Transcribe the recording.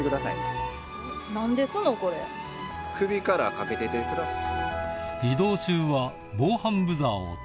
首からかけててください。